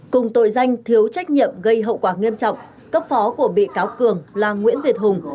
cùng tội danh thiếu trách nhiệm gây hậu quả nghiêm trọng cấp phó của bị cáo cường là nguyễn việt hùng